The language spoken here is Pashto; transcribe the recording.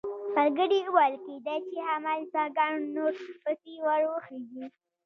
ملګري یې وویل کېدای شي همالته ګڼ نور پسې ور وخېژي.